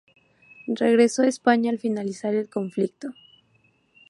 Regresó a España al finalizar el conflicto.